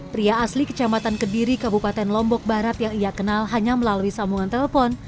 pria asli kecamatan kediri kabupaten lombok barat yang ia kenal hanya melalui sambungan telepon